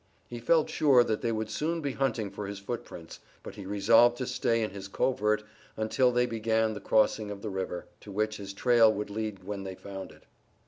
He felt sure that they would soon be hunting for his footprints, but he resolved to stay in his covert, until they began the crossing of the river, to which his trail would lead when they found it.